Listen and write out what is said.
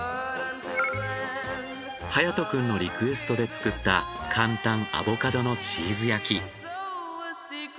隼斗くんのリクエストで作った簡単アボカドのチーズ焼き。